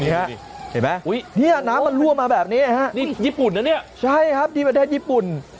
เห็นไหมน้ำมันรั่วมาแบบนี้ฮะใช่ครับที่ประเทศญี่ปุ่น